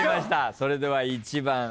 それでは１番。